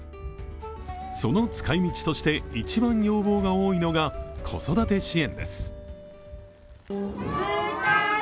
その使い道として一番、要望が多いのが子育て支援です。